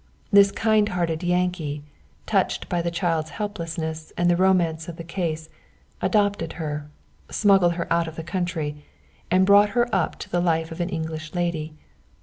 This kind hearted Yankee, touched by the child's helplessness and the romance of the case, adopted her, smuggled her out of the country, and brought her up to the life of an English lady.